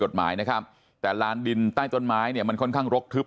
กฎหมายนะครับแต่ลานดินใต้ต้นไม้เนี่ยมันค่อนข้างรกทึบ